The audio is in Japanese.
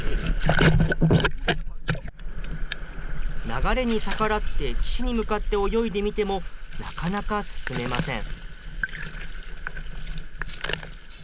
流れに逆らって、岸に向かって泳いでみても、なかなか進めません。